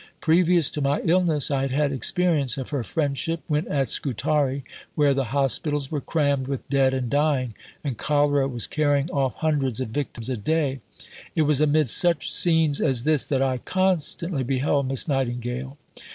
Previous to my illness I had had experience of her friendship when at Scutari, where the hospitals were crammed with dead and dying, and cholera was carrying off hundreds of victims a day; it was amid such scenes as this that I constantly beheld Miss Nightingale."